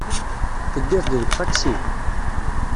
Teddiḍ-d deg uṭaksi?